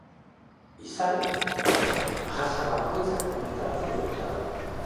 Izar jasa bakoitza kometa bati lotuta dago.